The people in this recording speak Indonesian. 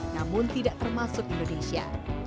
namun tidak termasuk indonesia